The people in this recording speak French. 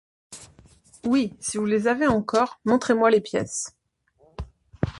Oui, si vous les avez encore, montrez-moi les pièces...